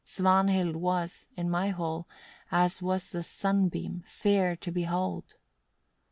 Svanhild was, in my hall, as was the sun beam, fair to behold.